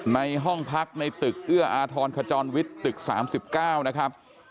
ในห้องพักในตึกเอื้ออาทรขจรวิทย์ตึก๓๙นะครับ